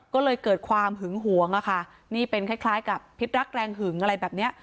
ก็เลยเกิดความหึงหวงอะค่ะนี่เป็นคล้ายกับพิษรักแรงหึงอะไรแบบเนี้ย